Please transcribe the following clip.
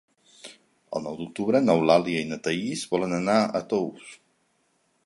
El nou d'octubre n'Eulàlia i na Thaís volen anar a Tous.